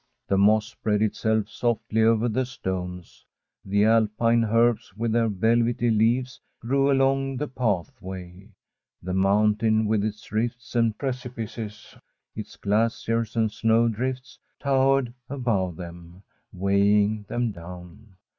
The moss spread itself softly over the stones ; the Alpine herbs, with their velvety leaves, grew along the pathway ; the mountain, with its rifts and precipices, its glaciers and snow drifts, towered above them, weighing them down.